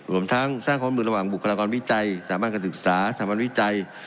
รวมทั้งสร้างความมือระหว่างบุคลากรวิจัยสถาบันการศึกษาสถาบันวิจัย